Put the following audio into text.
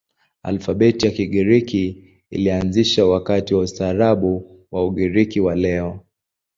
Alfabeti ya Kigiriki ilianzishwa wakati wa ustaarabu wa Ugiriki wa leo.